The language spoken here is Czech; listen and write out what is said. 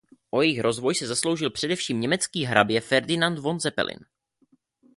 O jejich rozvoj se zasloužil především německý hrabě Ferdinand von Zeppelin.